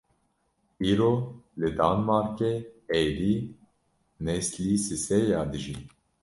Îro li Danmarkê êdî neslî sisêya dijî!